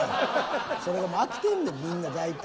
それがもう飽きてんねんみんな大体。